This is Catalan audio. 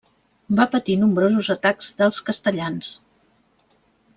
Va patir nombrosos atacs dels castellans.